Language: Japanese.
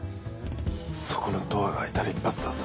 そこのドアが開いたら一発だぞ。